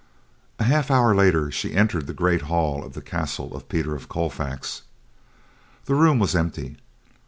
A half hour later, she entered the great hall of the castle of Peter of Colfax. The room was empty.